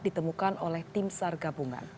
ditemukan oleh tim sar gabungan